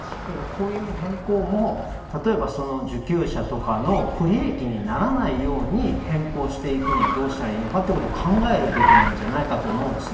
こういう変更も例えば、受給者とかの不利益にならないように変更していくにはどうしたらいいのかということを考えるべきなんじゃないかと思うんです。